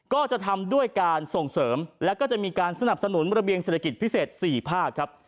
ก็จะทำด้วยการส่งเสริมแล้วก็จะมีการสนับสนุนระเบียงเศรษฐกิจพิเศษ๔ภาคครับ